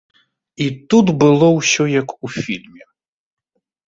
І тут было ўсё як у фільме.